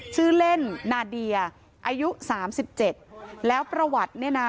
ชื่อเล่นนาเดียอายุสามสิบเจ็ดแล้วประวัติเนี่ยนะ